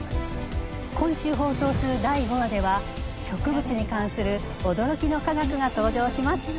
今週放送する第５話では植物に関する驚きの科学が登場します。